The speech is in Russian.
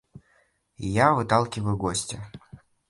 И я выталкиваю гостя.